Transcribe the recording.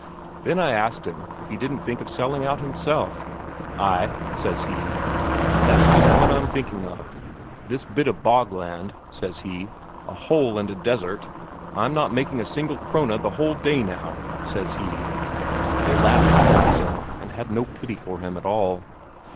Then I asked him if he didn't think of selling out himself. 'Ay,' says he, 'that's just what I'm thinking of. This bit of bogland,' says he, 'a hole and a desert I'm not making a single Krone the whole day now,' says he." They laughed at Aronsen, and had no pity for him at all.